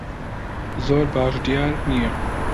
زۆر باش دیار نییە.